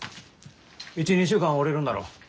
１２週間はおれるんだろ？